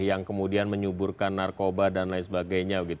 yang kemudian menyuburkan narkoba dan lain sebagainya